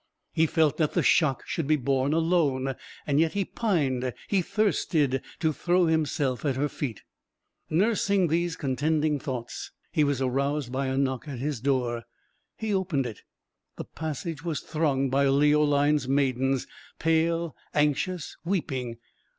He felt that the shock should be borne alone, and yet he pined, he thirsted, to throw himself at her feet. Nursing these contending thoughts, he was aroused by a knock at his door: he opened it the passage was thronged by Leoline's maidens; pale, anxious, weeping.